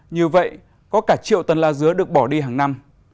như vậy có cả triệu tấn lá dứa được bỏ đi hàng năm